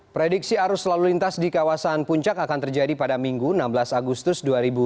prediksi arus lalu lintas di kawasan puncak akan terjadi pada minggu enam belas agustus dua ribu dua puluh